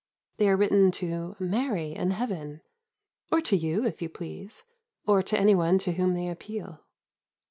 They are written to "Mary, in heaven," or to you, if you please, or to any one to whom they appeal.